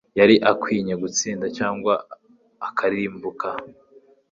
Yari akwinye gutsinda cyangwa akarimbuka.